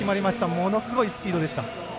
ものすごいスピードでした。